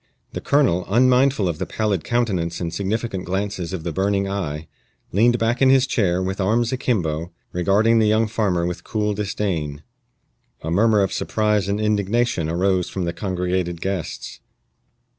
The colonel, unmindful of the pallid countenance and significant glances of the burning eye, leaned back in his chair, with arms akimbo, regarding the young farmer with cool disdain. A murmur of surprise and indignation arose from the congregated guests.